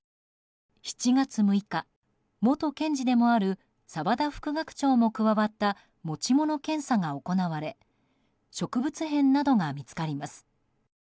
７月６日、元検事でもある澤田副学長も加わった持ち物検査が行われ植物片などが見つかります。